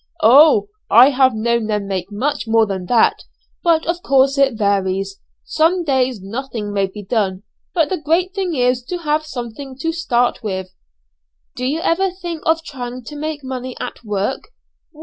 "Oh! I have known them make much more than that, but of course it varies, some days nothing may be done, but the great thing is to have something to start with." "Do you never think of trying to make money at work?"